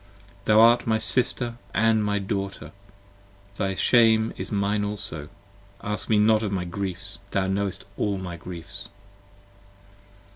Thou art my sister and my daughter: thy shame is mine also: 20 Ask me not of my griefs! thou knowest all my griefs.